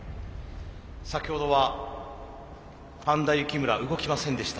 先ほどはぱんだ幸村動きませんでした。